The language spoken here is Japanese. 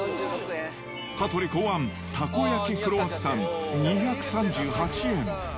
羽鳥考案、たこ焼きクロワッサン２３８円。